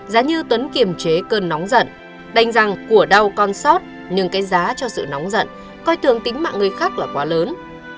giá như tuấn kiềm chế cơn nóng giận đánh rằng của đau con sót nhưng cái giá cho sự nóng giận coi tường tính mạng người khác là quá lớn